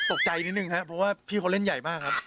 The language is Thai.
ตกใจนิดนึงครับเพราะว่าพี่เขาเล่นใหญ่มากครับ